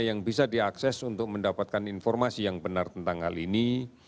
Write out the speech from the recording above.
yang bisa diakses untuk mendapatkan informasi yang benar tentang hal ini